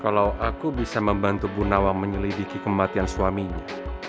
kalau aku bisa membantu bu nawa menyelidiki kematian suaminya